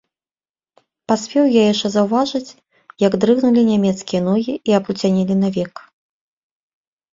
Паспеў я яшчэ заўважыць, як дрыгнулі нямецкія ногі і апруцянелі навек.